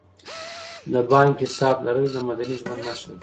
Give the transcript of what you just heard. د بانک حساب لرل د مدني ژوند نښه ده.